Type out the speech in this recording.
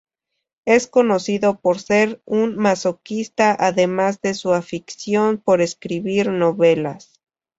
Es conocido por ser un masoquista, además de su afición por escribir novelas.